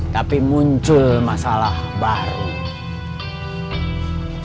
tapi muncul masalah baru